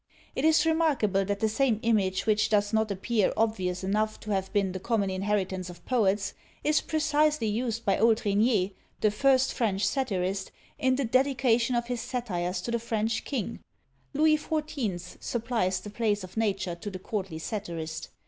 It is remarkable that the same image, which does not appear obvious enough to have been the common inheritance of poets, is precisely used by old Regnier, the first French satirist, in the dedication of his Satires to the French king. Louis XIV. supplies the place of nature to the courtly satirist.